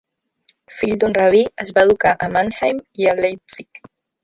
Fill d'un rabí, es va educar a Mannheim i a Leipzig.